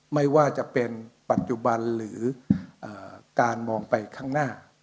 ไม่ว่าจะเป็นปัจจุบันหรือการมองไปข้างหน้า